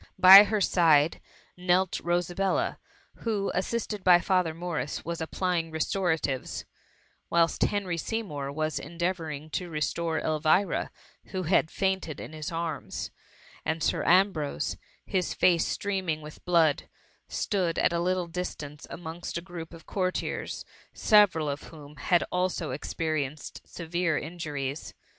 By her side, knelt Rosabella, who, assisted by Father Morris, was applying restoratives ; whilst Hen ty Seymour was endeavouring to restore Elvira, who had fainted in his arms, and Sir Ambrose, his face streaming with blood, stood at a little distance amongst a group of courtiers, several of whom had also experienced severe injuries.